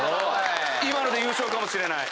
今ので優勝かもしれない。